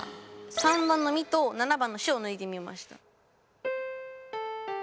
３番のミと７番のシを抜いてみました。